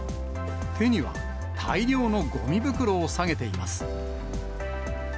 手には、大量のごみ袋を提げています。